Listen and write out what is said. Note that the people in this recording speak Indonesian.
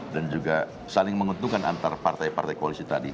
dan juga saling mengutuhkan antar partai partai koalisi tadi